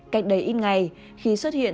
cách đấy ít ngày khi xuất hiện